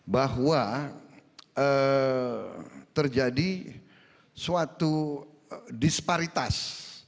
bahwa terjadi suatu disparitas